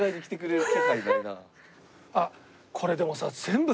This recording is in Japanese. あっこれでもさ。